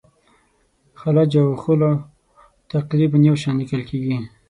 خلج او خُلُّخ تقریبا یو شان لیکل کیږي.